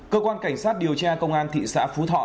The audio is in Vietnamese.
cơ quan cảnh sát điều tra công an thị xã phú thọ